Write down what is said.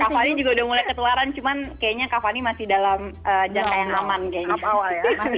kak fani juga udah mulai ketuaran cuman kayaknya kak fani masih dalam jangka yang aman kayaknya